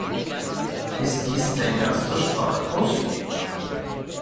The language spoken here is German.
Ist dies dein erster Sprachkurs?